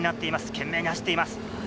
懸命に走っています。